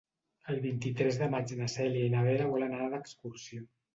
El vint-i-tres de maig na Cèlia i na Vera volen anar d'excursió.